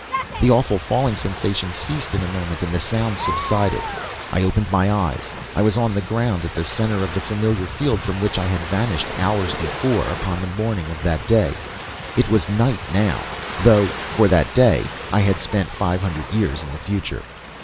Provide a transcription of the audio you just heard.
The awful falling sensation ceased in a moment and the sound subsided. I opened my eyes. I was on the ground at the center of the familiar field from which I had vanished hours before, upon the morning of that day. It was night now, though, for that day I had spent five hundred years in the future.